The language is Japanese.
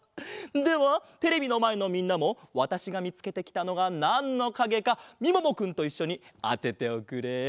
ではテレビのまえのみんなもわたしがみつけてきたのがなんのかげかみももくんといっしょにあてておくれ。